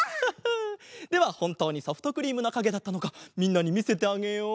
ではほんとうにソフトクリームのかげだったのかみんなにみせてあげよう！